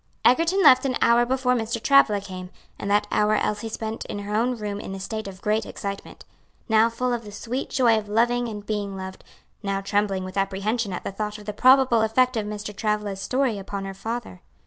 Egerton left an hour before Mr. Travilla came, and that hour Elsie spent in her own room in a state of great excitement, now full of the sweet joy of loving and being loved, now trembling with apprehension at the thought of the probable effect of Mr. Travilla's story upon her father.